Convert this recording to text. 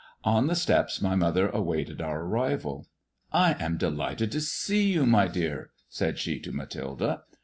On ;he steps my mother awaited our arrival. "I am delighted to see you, my dear," said she to Iklathilde.